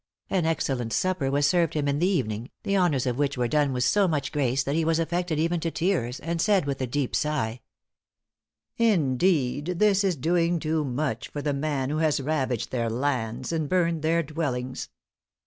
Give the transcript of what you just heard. An excellent supper was served him in the evening, the honors of which were done with so much grace, that he was affected even to tears, and said, with a deep sigh, 'Indeed, this is doing too much for the man who has ravaged their lands, and burned their dwellings.'